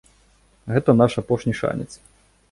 Гэта наш апошні шанец.